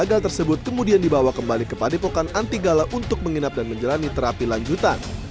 gagal tersebut kemudian dibawa kembali ke padepokan anti gala untuk menginap dan menjalani terapi lanjutan